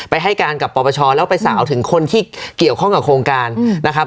ให้การกับปปชแล้วไปสาวถึงคนที่เกี่ยวข้องกับโครงการนะครับ